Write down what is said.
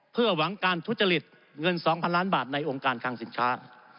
เพื่อหวังการทุจริตเงิน๒๐๐ล้านบาทในองค์การคังสินค้า